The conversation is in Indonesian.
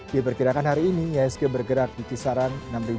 di perkirakan hari ini isg bergerak di kisaran enam sembilan ratus